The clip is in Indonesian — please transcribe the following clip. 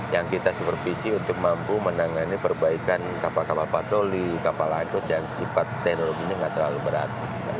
yang kita supervisi untuk mampu menangani perbaikan kapal kapal patroli kapal anggot yang sifat teknologi ini tidak terlalu berat